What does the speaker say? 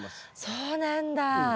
そうなんだ。